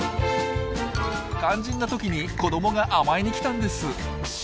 肝心な時に子どもが甘えに来たんです。